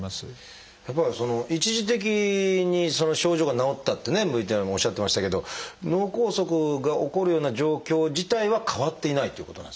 やっぱりその一時的に症状が治ったってねＶＴＲでもおっしゃってましたけど脳梗塞が起こるような状況自体は変わっていないということなんですか？